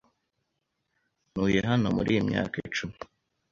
Ntuye hano muri iyi myaka icumi.